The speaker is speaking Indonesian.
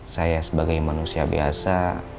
saya sebagai manusia biasa